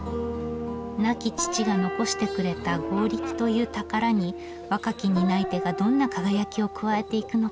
亡き父が残してくれた強力という宝に若き担い手がどんな輝きを加えていくのか。